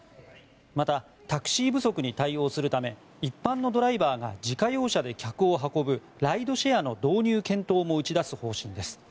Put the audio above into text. またタクシー不足に対応するため一般のドライバーが自家用車で客を運ぶライドシェアの導入検討も打ち出す方針です。